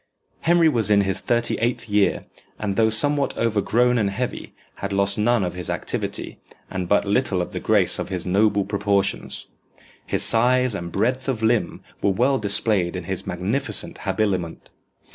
Henry was in his thirty eighth year, and though somewhat overgrown and heavy, had lost none of his activity, and but little of the grace of his noble proportions. His size and breadth of limb were well displayed in his magnificent habiliment.